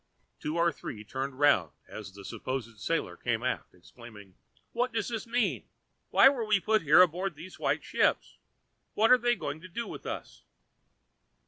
Two or three turned round as the supposed sailor came aft, exclaiming: "What does this mean? Why are we put here on board these white ships? What are they going to do with us?"